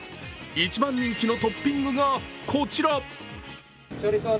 一番人気のトッピングが、こちら。